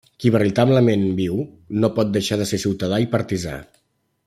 Qui veritablement viu, no pot deixar de ser ciutadà i partisà.